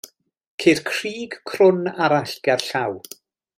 Ceir crug crwn arall gerllaw.